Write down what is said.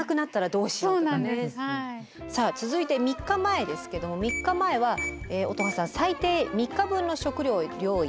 さあ続いて３日前ですけども３日前は乙葉さん「最低三日分の食料の用意」。